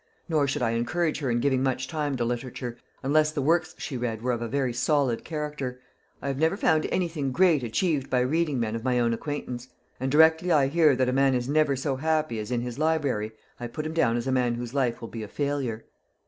Nor should I encourage her in giving much time to literature, unless the works she read were of a very solid character. I have never found anything great achieved by reading men of my own acquaintance; and directly I hear that a man is never so happy as in his library, I put him down as a man whose life will be a failure."